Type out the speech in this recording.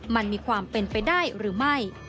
มันมีความเป็นไปได้หรือไม่